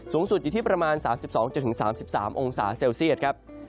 สูงสุดอยู่ที่ประมาณ๓๒๓๓องศาเซลเซียตครับ